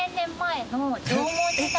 縄文時代？